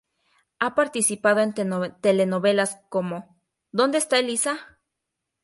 Ha participado en telenovelas como "¿Dónde está Elisa?